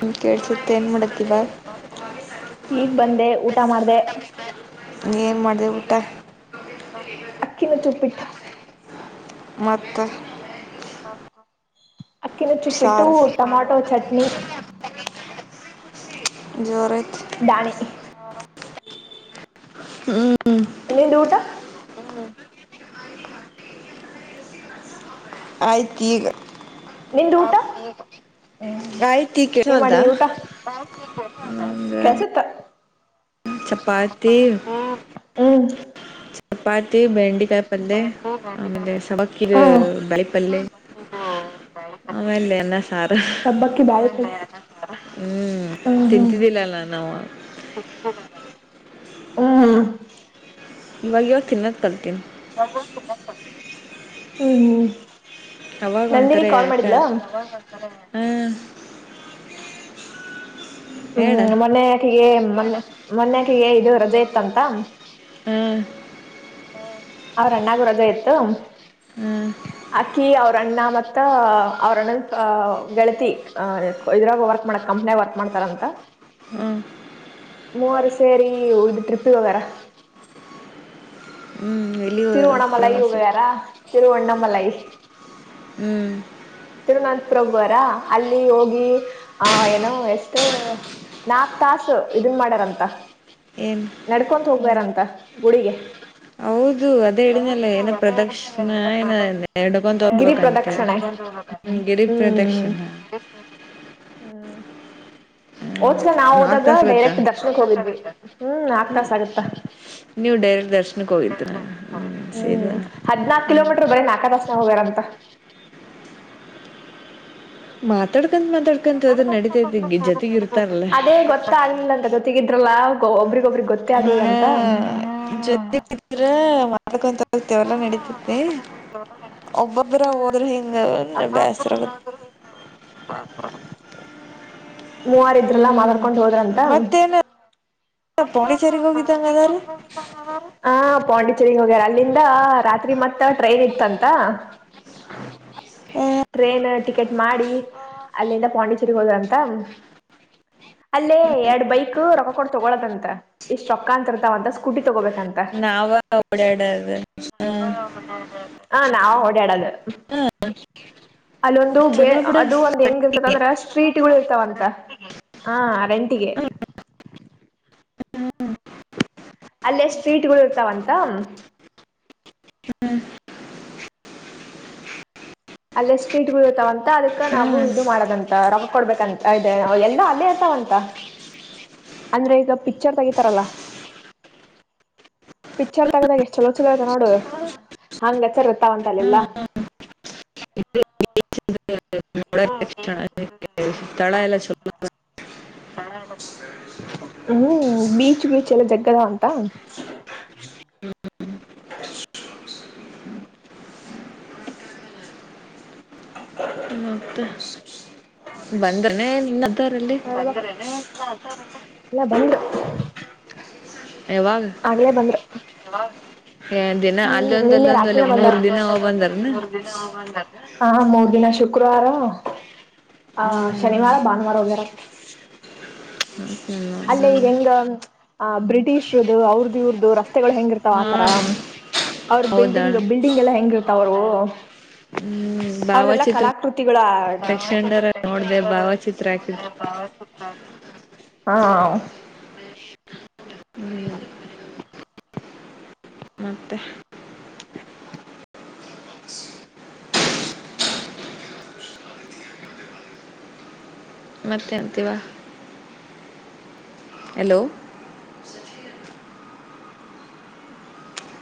ಹ್ಮ್, ಕೇಳಿಸುತ್ತೆ ಏನು ಮಾಡತ್ತೀವ ಈಗ್ ಬಂದೆ ಊಟ ಮಾಡ್ದೆ ಏನ್ ಮಾಡ್ದೇಬಿಟ್ಟ ಅಕ್ಕಿನ ಚೊಪ್ಪಿಟ್ಟ ಮತ್ತ ಹ ಅಕ್ಕಿನ ಚುಪ್ಪಿಟ್ಟು ಸಾರು ಟಮಾಟೊ ಚಟ್ನಿ ಜೋರ ದಾಣಿ ಹ್ಮ್ ನಿ್ದ ಊಟ ಹ್ಮ ಆಯ್ತು ಈಗ ನಿ್ದ ಊಟ ಹ್ಮ್ ಆಯ್ತು ಈಗ ಏನ್ ಕೇಳವಲ್ದಾ ಮಾಡಿದವಿ ಊಟ ನಂಗೆ ಕೆಲ್ಸತ್ತ ಚಪಾತಿ ಹ್ಮ್ ಚಪಾತಿ ಬೆಂಡೆಕಾಯಿ ಪಂದೆ ಆಮೇಲೆ ಸವಾಕ್ಕೀರು ಹ ಬೆಳಪಲ್ಯಾ ಅನ್ನಾ ಸಾಂಬಾರ ಸಬ್ಬಕ್ಕಿ ಬಾಳೆ ಕಾಯಿ ಹ್ಮ್ ಹ್ಮ್ ಹ್ಮ್ ತಿಂತಿದ್ದಿಲ್ಲಲ್ಲ ನಾವು, ಹ್ಮ್ ಹ್ಮ್ ಇವಾಗ ಇವಾಗ ತಿನ್ನೋದು ಕಲ್ತೀನಿ ಹ್ಮ್ ಅವಾಗ ನಂದಿನ ಒಂಥರ ಕಾಲ್ ಯಾಕ ಮಾಡಿದ್ಲಾ? ಹ್ಮ್ ಹೇಳ ಹ್ಮ್ ಮೊನ್ಯಕಿಗೆ ಮೊ ಮೊನ್ಕಿಗೆ ಇದು ರಜೆ ಇತ್ತಂತ ಹ್ಮ ಹ್ಮ್ ಅವ್ರ ಅಣ್ಣಾಗ ರಜೆ ಇತ್ತು ಹ್ಮ್ ಅಕ್ಕಿ ಅವ್ರ ಅಣ್ಣಾ ಮತ್ತ ಅವ್ರ ಅಣ್ಣಾ ಗೆಳತಿ ಇದ್ರಾಗ ವರ್ಕ್ ಮಾಡ ಕಂಪ್ನಿ ವರ್ಕ್ ಮಾಡ್ [inaudible] ರಂತ ಹ್ಮ್ ಮೂವರು ಸೇರಿ ಇದು ಟ್ರಿಪ್ಪಿ ಓಗ್ಯಾರ. ಹ್ಮ್ ಎಲ್ಲಿ ಹೋದರು ತಿರುವಣಮಲೈ ಹೋಗವ್ಯಾರ ಪ್ರವಾಸಕ್ಕೆ ತಿರುವಣಮಲೈ. ಹ್ಮ್ ತಿರುವನಂತಪುರಗುವಾರ ಅಲ್ಲಿ ಹೋಗಿ ಆ ಏನೋ ಎಷ್ಟೋ ನಾಕ್ ತಾಸು ಇದನ್ ಮಾಡ್ಯಾರಂತ. ಏನ್ ನಡ್ಕೊ ಹೋಗ್ಬಾರಂತ ಗುಡಿಗೆ. ಇದು ಅದ ಹೇಳಿನಲ್ಲ ಏನ ಪ್ರದ‌‍ಕ್ಷನೆ ಏನ ನಡ್ಕೊ ಗಿರಿ ಹೋಗ್ಬೇಕಂತ. ಪ್ರದಕ್ಷಿಣೆ ಗುಡಿ ಹ್ಮ್ ಪ್ರದಕ್ಷಿಣೆ ಹಓಚ್ಗ ನಾವವು ಹೋದಾಗ ಗೊತ್ತಾ ಡೈರೆಕ್ಟ್ ದರ್ಶನಕ್ ಹೋಗಿದ್ವಿ ಹ್ಮ್ ನಾಕ ತಾಸ ಆಗತ್ತ. ನ್ಯೂ ಡೆರೆಕ್ಟ ಹ್ಮ್ ಹದ್ನಾಕು ಕಿಲೋಮೀಟರ್ ಬರೀ ನಾಲ್ಕ ತಾಸಿನಾಗ ಹೋಗ್ಯಾರಂತ ಮಾತಾಡ್ಕ ಮಾತಾಡ್ಕಂತ ಹೋದ್ರ ನಡಿತೈತಿ ಜೊತೆಗಿರ್ತಾರಲ್ಲ. ಅದೇ ಗೊತ್ತ ಆಗ್ಲಿಲ್ಲ [unintelligible] ಆಗ್ಲಿಲ್ಲ ಅಂತ ಇನ್ನ ಜೊತೆಗೆ ಇದ್ರ ಕೊಂತ ಹೋಗತೇವಲ್ಲಾ ನಡತತಿ ಒಬ್ಬೊಬ್ಬರ ಹೋದ್ರ ಹಿಂ ಹಿಂಗ ಬ್ಯಾಸ್ ಮೂವಾರ ಇದ್ರಲ್ಲಾ ಮಾತಾಡ್ಕೊಂಡ್ ಹೋದ್ರಂತ ಪೋಂಡಚೇರಿಗ್ ಹೋಗಿದ್ದಂಗ ಅದಾರ ಹ ಪಾಂಡಿಚೆರಿಗ್ ಹೋಗ್ಯಾರ ಅಲ್ಲಿಂದ ರಾತ್ರಿ ಮತ್ತ ಟ್ರೈನ್ ಇತ್ತಂತ. ಆ, ಟ್ರೇನ್ ಟಿಕೆಟ್ ಮಾಡಿ ಅಲ್ಲಿಂದ ಪಾಂಡಿಚೇರಿಗೆ ಹೋದ್ರಂತ. ಅಲ್ಲೇ ಎರಡ್ ಬೈಕ್ ರೊಕ್ಕ ಕೊಡ ತಗೊಳದಂತ ಇಷ್ಟ್ ರೊಕ್ಕ ಅಂತಿರ್ತಾವಂತ ಸ್ಕೂಟಿ ತಗೋಬೇಕಂತ ನಾವ ಓಡಾಡೋದು ಹ ನಾವ್ ಓಡಾಡದು ಅಲ್ಲೊಂದು ಬ ಚಲೋ ಬಿಡ ಅದು ಒಂದ ಹೆಂಗ ಇರ್ತದ ಅಂದ್ರೆ ಸ್ಟ್ರೀಟ್ಗಳು ಇರ್ತಾವಂತ, ಹಾ ರಂಟಿಗೆ ಅಲ್ಲೇಷ್ಟ ಸ್ರೀಟ್ಗಳು ಇರ್ತಾವಂತ, [inaudible] ಅಲ್ಲ ಸೀಟ್ ಗತಾವಂತ ಅದಕ್ಕ ಹಾ ನಾವು ಇದು ಮಾಡದಂತ ರೊಕ್ಕ ಕೊಡ್ಬೇಕಂತ ಇದೆ ಎಲ್ಲ ಅಲ್ಲೇ ಇರ್ತಾವಂತ. ಅಂದ್ರೆ ಈಗ ಪಿಕ್ಚರ್ ತಗಿತಾರಲ್ಲ. ಪಿಕ್ಚರ್ ತಗದಾಗ, ಎಷ್ಟಲೋಚದ ಆಯತ ನೋಡದು. ಹಂಗ ಚಲೊ ಇರ್ತ್ತಾವಂತ ಅಲ್ಲೆಲ್ಲಾ. [unintelligible] [unintelligible] ಹ್ಮ್ ಬೀಚ್ ಬೀಚ್ ಎಲ್ಲ ಜಗ್ಗದ ಅಂತ, ಹ ಮತ್ತೆ ಬಂದ್ರನೆೇ ಇನ್ನ, ಅದಾರಲ್ಲಿ ಇಲ್ಲ ಬಂದ [unintelligible] ಯಾವಾಗ ಆಗ್ಲೇ ಬಂದರು ಏ ದಿನ ಹ್ಮ ಅಲ್ಲೊಂದ್ ನಿನ್ನೆ ಅಲ್ಲೊಂದ್ ರಾತ್ರಿ ಅಲ್ಲ ಬಂದ ಮೂರ್ ದಿನ ಹೋಗ್ ಬಂದಾರನ ಮೂರು ದಿನ ಹ ಬಂದ ಹ ಮೂರ್ ದಿನ ಶುಕ್ರವಾರ ಆ ಹ್ಮ್ ಶನಿವಾರ ಭಾನುವಾರ ಹೋಗಿರತ್ತ ಹಕಲ್ಲ ಅಲ್ಲೇ ಈಗ ಹೆಂಗ ಆ ಬ್ರಿಟಿಷ್ರುದ ಅವ್ರದ್ದ ಇ್ರದ್ದು ರಸ್ ಹೆಂಗ ಇರ್ತಾವ್ ಹಾ ಆತರ ಅವರು ಹೌದಾ ಬಿಲ್ಡಿಂಗ್ ಬಿಲ್ಡಿಂಗ್ ಎಲ್ಲ ಹೆಂಗ ಇರ್ತಾವ ಅವರು ಹ್ಮ್ ಅವ್ರದೆೆಲ್ಲಾ ಭಾವಚಿತ್ರ ಕಲಾಕೃತಿಗಳುತ್ರ ತಕ್ಷಣರ ನೋಡ್ದೆ ಭಾವಚಿತ್ರ ಹಾಕಿದ್ರು ಹಾ ಹ್ಮ್ ಮತ್ತೆ ಮತ್ತೆ ಅಂತೀವಾ ಹಲೋ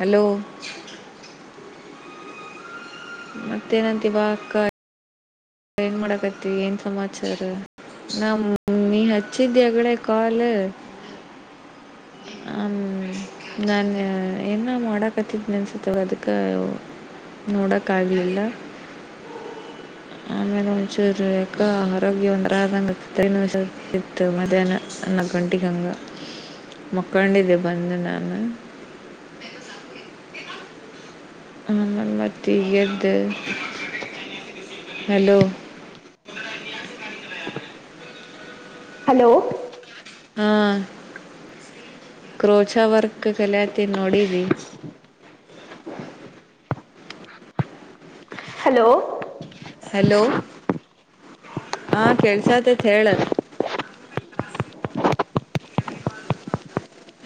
ಹಲೋ ಮತ್ತೇನಂತ ಇಿವ ಕ [unintelligible] ಏನ್ ಮಾಡಕತಿ ಏನ್ ಸಮಾಚಾರ ನ ನೀ ಹಚ್ಚಿದ್ದಿ ಹೆಗ್ಡೆ ಕಾಲ್ ಹ [unintelligible] ಹ ನಾನು ಏನ ಮಾಡಕತ್ತಿದ್ನಿ ಅನ್ಸತ್ತೆಾಗ ಅದಕ್ಕೆ [unintelligible] ನೋಡಕ್ಕ ಆಾಗಲಿಲ್ಲ ಹ [unintelligible] ಆಮೇಲೆ ಮುಂಚೂರು ಯಾಕ್ಕ ಆರೋಗ್ಯ ಒಂದರ ಆದಂಗನ ಇತ್ತು ಮಧ್ಯಾಹ್ನ [unintelligible] ನನ್ನಕಂಠಿಕಂಗ ಮಕ್ಕಂಡ ದಬ್ಬಂದಿ ನಾನ ಹ [unintelligible] ಹನ್ಮ್ಮತಿಯ್ದ ಹಲೋ ಹಲೋ ಹ್ಮ್ ಕ್ರೋಚ ವರ್ಕ್ ಕಲತನ್ಿ [unintelligible] ನೋಡವಿ ಹಲೋ ಹಲೋ ಹಾ ಕೆಲ್ಸತೇತ್ ಹೇಳ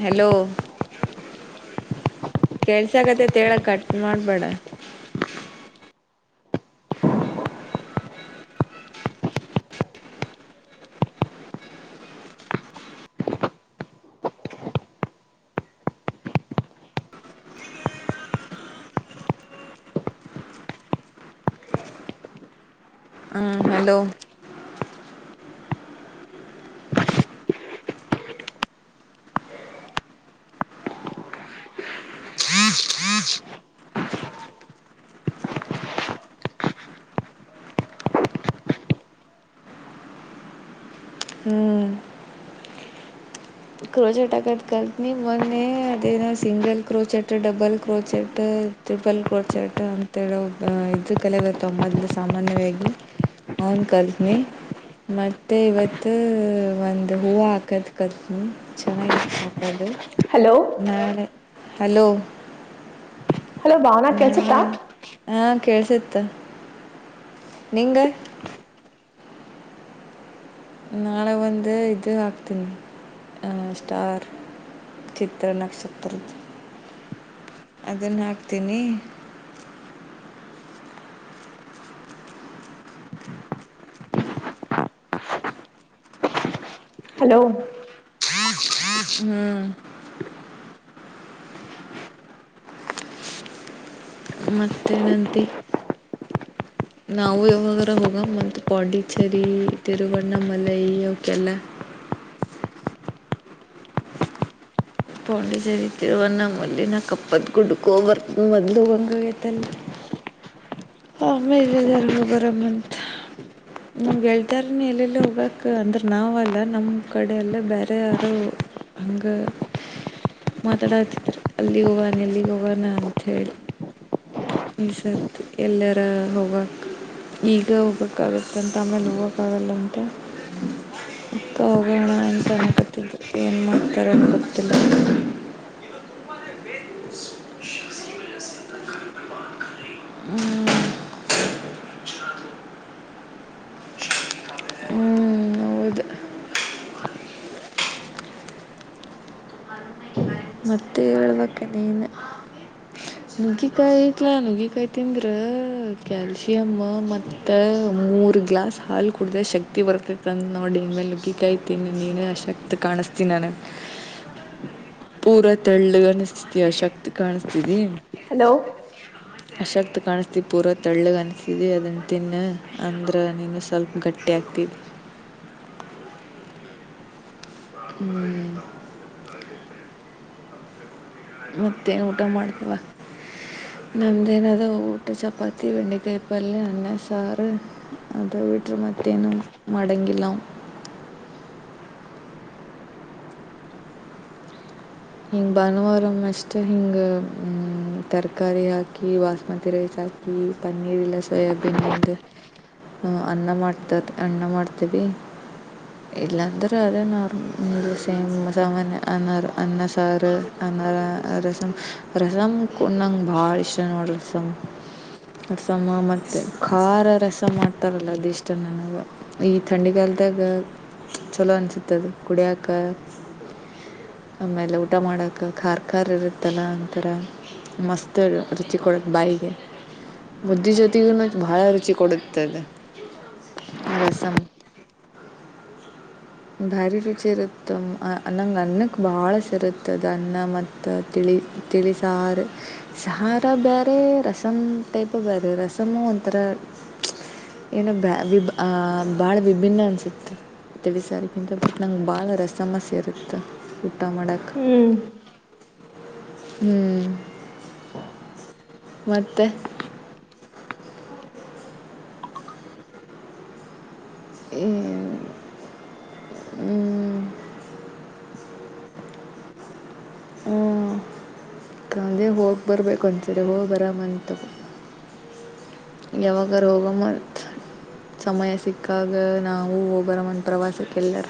ಹಲೋ [inaudible] ಕೆಲ್ಸ ಆಕತ್ತತ್ ಹೇಳ ಕಟ್ ಮಾಡ್ಬೇಡ ಹ್ಮ ಹಲೋ ಕ್ೀ್ ಕ್ೀ [unintelligible] ಹ್ಮ್ ಕ್ರೋಚೆಟ್ ಆಾಕಟ್ ಕಲ್ತ್ನ ಮೊನ್ನೆ ಅದೇನ single crochet double crochet triple ಕಡ್ಚಟ ಅಂತೇಳ ಇದದು ಕಲೆ ಬರ್ತ ಮೊದ್ಲು ಸಾಮಾನ್ಯವಾಗಿವಾಗಿ ಅವೌನ್ ಕಲ್ತನ ಮತ್ತೆ ಇವತ್ ಒಂದ್ ಹೂವು ಹಾಕದ [unintelligible] ಕರ್ಿ ಚೆನ್ನಾಗಿತ್ತು ಹಾಕೋದು ಹಲೋ ನಾಳೆ ಹಲೋ ಹಲೋ ಭಾವನಾ ನ ಕೆಲ್ಸತ್ತಾ ಹಾ ಕೇಳ್ಸಿತ್ತ ನಿಂಗ [unintelligible] ನಾಳೆ ಒಂದು ಇದು ಹಾಕ್ತೀನಿ ಹ ಸ್ಟಾರ್ ಚಿತ್ರನಕ್ಷತ್ರ ಅದನ್ನ ಹಾಕ್ತೀನಿ ಹಲೋ [inaudible] ಹ್ಞೂ ಮತ್ತೇನಂತೆ [unintelligible] ನಾವು ಯಾವಾಗ ಹೋಗ ಮಂತ ಪಾಂಡಿಚರಿ ತಿರುವಣ್ಣ ಮಲೈ ಅವಕಲ್ಲ [unintelligible] ಪಾಂಡಿಜರಿತಿರುವ ನ ಮಲ್ಲಿಿನ ಕಪ್ಪದ ಗುಡ್ಕೋ ಬರ್ತ ಬಂದು ಗಂಗಗತಲ್ಲಿ [unintelligible] ಹಾ ಮೇಲೆಧಾರ ಹ ಬರಮಂತ ನಮ್ಗೆೇಳ್ತಾರನು ಎಲ್ಲೆಲ್ಲಿ ಹೋಗ್ಕ್ ಅಂದ್ರೆ ನಾವಲ್ಲ ನಮ್ಮ ಕಡೆಯೆಲ್ಲ ಬೇರೆ ಯಾರು ಹಂಗೆ ಮಾತಾಡತಿದ್ರ ಅಲ್ಲಿಗೆ ಹೋಗವಾನ ಎಲ್ಲಿಗೆ ಹೋಗಾನ ಅಂತ ಹೇಳಿ ಈ ಸರ್ತ್ ಎಲ್ಲಾರ ಹೋಗಕ್ ಈಗ ಹೋಗಕ್ಕಾಗಲ್ಲಂತ ಆಮೇಲೆ ಹೋಗೋಕ್ಕಾಗಲ್ಲಂತೆ ಹೋಗೋಣ ಎಂತನ ಗತ್ತಿದ್ದು ಏನು ಮಾಡ್ತಾರೆ ಅಂತ ಗೊತ್ತಿಲ್ಲ ಹ್ಮ್ ಹೌದು ಮತ್ತೆ ಹೇಳ ನುಗ್ಗಿಕಾಯಿ ತ್ಲಾ ನುಗ್ಗಿಕಾಯಿ ತಿಂದ್ರ ಕ್ಯಾಲ್ಸಿಯಮ್ ಮತ್ತ ಮೂರ್ ಗ್ಲಾಸ್ ಹಾಲು ಕುಡ್ದ ಶಕ್ತಿ ಬರ್ತ್ತೈತ್ತಂದ ನೋಡಿ ಮೇಗಿಕೈತೀನಿ ನೀನ ಆ ಶಕ್ತಿ ಕಾಣಿಸ ಿನಾನ [inaudible] ಪೂರಾ ತೆಳ್ಳಗನಿಸ್ತತಿಯ ಶಕ್ತಿ ಕಾಣಸ್ತಿದಿ ಹಲೋ ಅಶಕ್ತ ಕಾಣಿಸತ ಪೂರಾ ತಳ್ಳಗ್ ಅನಿಸ್ತಿ ಅದನ್ನ ತಿನ್ ಅಂದ್ರ ನೀನು ಸ್ವಲ್ಪ ಗಟ್ಟಿ ಆಕ್ಟ [inaudible] ಮಿಂದ ಮತ್ತೆ ಊಟ ಮಾಡ್ತವ ನಮ್ದೇನಾದ ಊಟ ಚಪಾತಿ ಬೆಂಡೆಕಾಯಿ ಪಲ್ಯ ಅನ್ನ ಸಾರು ಅದ ವೀಟ್ಟರು ಮತ್ತೇನನು ಮಡಂಗಿಲ್ಲವು ಹ ಹಿಂಗ್ ಭಾನುವಾರ ಅಷ್ಟ ಹಿಂಗ್ಮ ತರಕಾರಿ ಹಾಕಿ ಬಸ್ಮತಿ ರೈಸ್ಕ ಬಾಕಿ ಪನ್ನೀರ್ ಇಲ್ಲ ಸೋಯಾಬೀನ್ ಉಂದು ಹ ಅನ್ನ ಮಾಡ್ತಾರ ಅನ್ನ ಮಾಡ್ತೇವಿ ಇಲ್ಲಾಂದ್ರೂ ಅದೇ ಸಾಮಾನ್ಯ ಅನ್ನು ಅನ್ನ ಸರ್ ಅನ್ನ ರಸಂ್ ರಸಮ್ ನಂಗೆ ಭಾಳ ಇಷ್ಟ ನೋಡು ರಸಮ್ ಸ ಮತ್ತೆ ಖಾರ ರಸ ಮಾಡ್ತಾರಲ್ಲ ಅದೆಷ್ಟ ನನಗ ಈ ಥಂಡಿಗಾಲ ಲ್ದಾಗ ಚಲೋ ಅನ್ಸದ ಗುಡಿಯಕ ಆಮೇಲೆ ಊಟ ಮಾಡೋಕ ಖಾರ್ಖಾರ್ ಇರುತ್ತಲ್ಲ ಒಥರ ಮಸ್ತರು ರುಚಿಕರಕ್ ಬಾಯಿಗೆ ಮುದ್ಧಿಜೊತೆಗ ಬಹಳ ರುಚಿ ಕೊಡುತ್ತದೆ ರಸಮ ಬಾರಿ ರುಚಿರುತ್ತ ನಂಗ ಅನ್ನಕ್ ಬಾಳ ಸರುತ್ತ ಮತ್ತುದನ್ನ ಮತ್ತು ತಿಳಿ ತಿಳಿ ಸಾರ ಸಾರ ಬೇರೆ ರಸಂ ಟೈಪಬದು ರಸಮ ಒಂಥರ ಏನೋ ಬ ವಿ ಆ ಬಾಳ ವಿಭಿನ್ನ ಅನ್ಸತ್ೆ ತಿಳಿಸಾರಿಕಿಂತ ಬಟ್ ನಂಗೆ ಭಾಳ ರಸ ಸಮಸ್ಯೆ ಇರುತ್ತ ಊಟ ಮಾಡಕ್ ಹ್ಮ್ ಹ್ಮ್ ಮತ್ತೆ ಹ್ಮ ಹ್ಮ ಹ್ಮ್ ಕದೆ ಹೋಗಿ ಬರ್ಬೇಕು ಅನ್ಸದೆ ಹೋಗಿ ಬರ ಮಂತ ಯಾವಾಗ ಹೋಗ ಮರ್ ಸಮಯ ಸಿಕ್ಕಾಗ ನಾವೂ ಹೋಗರ ಮನ್ ಪ್ರವಾಸಕ್ಕೆಲ್ಲರ